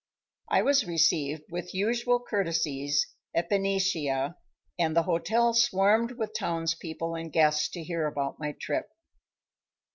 I was received with usual courtesies at Benicia, and the hotel swarmed with townspeople and guests to hear about my trip.